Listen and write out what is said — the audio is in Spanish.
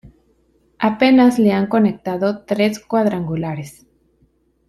Apenas le han conectado tres cuadrangulares.